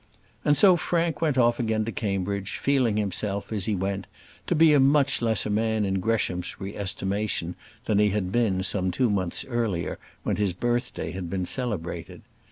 And so, Frank went off again to Cambridge, feeling himself, as he went, to be a much lesser man in Greshamsbury estimation than he had been some two months earlier, when his birthday had been celebrated.